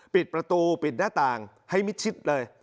ปิดประตูปิดหน้าต่างให้มิดชิดเลย